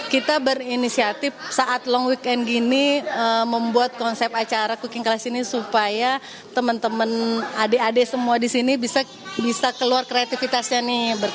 kita berinisiatif saat long weekend gini membuat konsep acara cooking class ini supaya teman teman adik adik semua di sini bisa keluar kreativitasnya nih